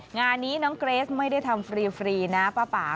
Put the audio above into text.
งานนี้น้องเกรสไม่ได้ทำฟรีนะป้าป่า